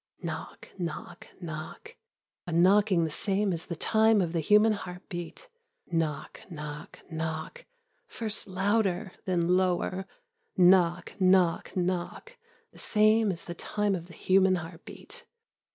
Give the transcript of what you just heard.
Knock, knock, knock, a knocking the same as the time of the human heartbeat. Knock, knock, knock, first louder, then lower. Knock, knock, knock, the same as the time of the human heartbeat.